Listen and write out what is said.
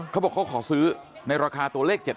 เขาบอกเขาขอซื้อในราคาตัวเลข๗๐